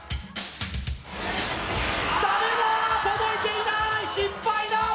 ダメだ届いていない失敗だ！